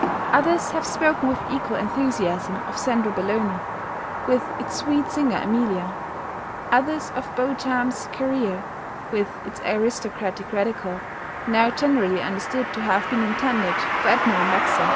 Others have spoken with equal enthusiasm of "Sandra Belloni," with its sweet singer Emilia; others of "Beauchamp's Career," with its aristocratic Radical, now generally understood to have been intended for Admiral Maxse.